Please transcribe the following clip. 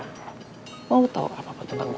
lo mau tau apa apa tentang gue